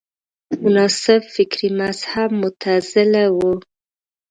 مناسب فکري مذهب معتزله وه